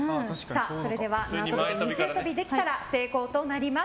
それでは縄跳びで二重跳びできたら成功となります。